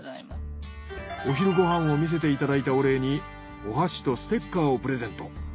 お昼ご飯を見せていただいたお礼にお箸とステッカーをプレゼント。